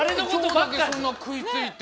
何で今日だけそんな食いついて。